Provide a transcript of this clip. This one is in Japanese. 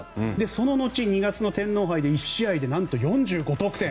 その後、２月の天皇杯で１試合でなんと４５得点。